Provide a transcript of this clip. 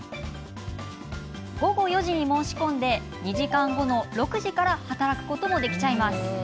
午後４時に申し込んで２時間後の６時から働くこともできちゃいます。